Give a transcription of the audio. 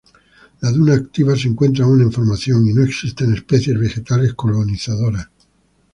La duna activa se encuentra aún en formación y no existen especies vegetales colonizadoras.